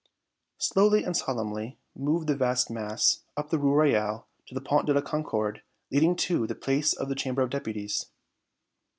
Slowly and solemnly moved the vast mass up the Rue Royale to the Pont de la Concorde, leading to the Place of the Chamber of Deputies.